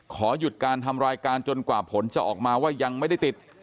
ขอหยุดการทำรายการจนกว่าผลจะออกมาว่ายังไม่ได้ติด